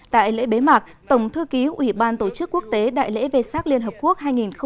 tại lễ bế mạc tổng thư ký ủy ban tổ chức quốc tế đại lễ vê sát liên hợp quốc hai nghìn một mươi chín